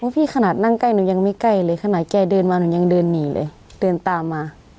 ขนาดนั่งใกล้หนูยังไม่ใกล้เลยขนาดแกเดินมาหนูยังเดินหนีเลยเดินตามมา